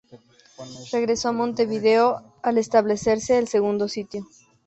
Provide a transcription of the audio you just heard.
Regresó a Montevideo al establecerse el segundo sitio.